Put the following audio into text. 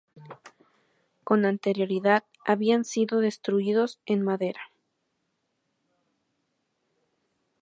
Con anterioridad, habían sido construidos en madera.